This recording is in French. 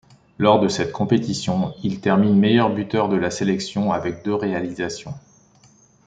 Lors de cette compétition, il termine meilleur buteur de la sélection avec deux réalisations.